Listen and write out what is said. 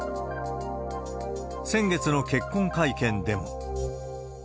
先月の結婚会見でも。